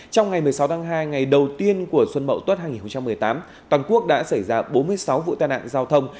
trong ngày một mươi sáu tháng hai ngày đầu tiên của xuân mậu tuất hai nghìn một mươi tám toàn quốc đã xảy ra bốn mươi sáu vụ tai nạn giao thông